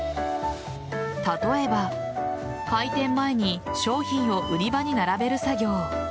例えば、開店前に商品を売り場に並べる作業。